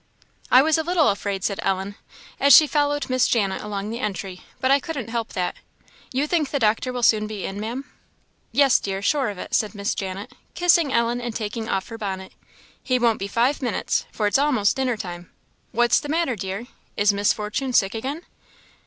"I was a little afraid," said Ellen, as she followed Miss Janet along the entry "but I couldn't help that. You think the doctor will soon be in, Ma'am?" "Yes, dear, sure of it," said Miss Janet, kissing Ellen and taking off her bonnet; "he won't be five minutes, for it's a'most dinner time. What's the matter, dear? is Miss Fortune sick again?"